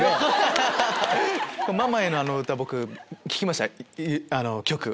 ママへのあの歌僕聴きました曲。